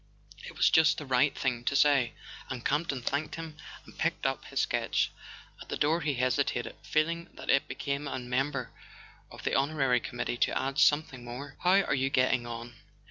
It was just the right thing to say: and Camp ton thanked him and picked up his sketch. At the door he hesitated, feeling that it became a member of the honorary committee to add something more. "How are you getting on?